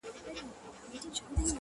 چلېدل يې په ښارونو كي حكمونه!!